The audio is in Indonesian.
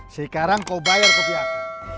sekarang kau bayar kopi aku